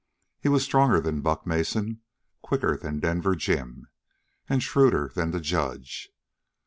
He was stronger than Buck Mason, quicker than Denver Jim, and shrewder than the judge.